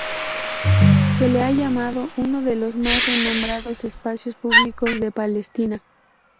Se le ha llamado "uno de los más renombrados espacios públicos de Palestina".